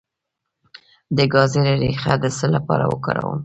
د ګازرې ریښه د څه لپاره وکاروم؟